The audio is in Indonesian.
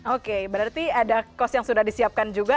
oke berarti ada kos yang sudah disiapkan juga